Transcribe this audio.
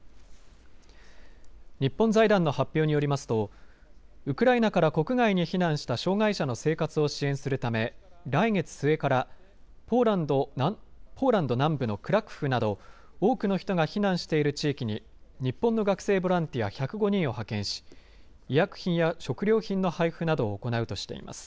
日本財団の発表によりますとウクライナから国外に避難した障害者の生活を支援するため来月末からポーランド南部のクラクフなど多くの人が避難している地域に日本の学生ボランティア１０５人を派遣し医薬品や食料品の配布などを行うとしています。